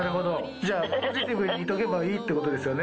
じゃあ、ポジティブにいればいいってことですよね。